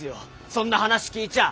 そんな話聞いちゃ。